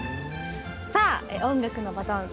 さあ音楽のバトン